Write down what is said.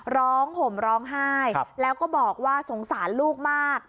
ห่มร้องไห้แล้วก็บอกว่าสงสารลูกมาก